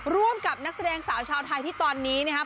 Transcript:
ร่วมกับนักแสดงสาวชาวไทยที่ตอนนี้นะครับ